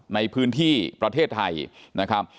ในพื้นที่ประเทศไทยนะครับ